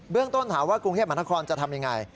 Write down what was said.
เบื้องต้นถามว่ากรุงเทพมนธครจะทำอย่างไร